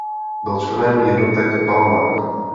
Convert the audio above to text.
Byl členem jednotek Palmach.